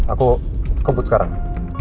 aku kebut sekarang